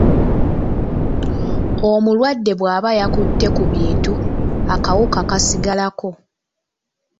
Omulwadde bw’aba yakutte ku bintu akawuka kasigalako.